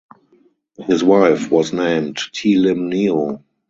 His wife was named Tee Lim Nio.